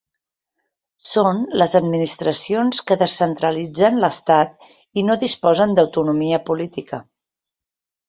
Són les administracions que descentralitzen l'estat i no disposen d'autonomia política.